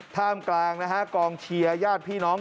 ท่ามกลางนะฮะกองเชียร์ญาติพี่น้อง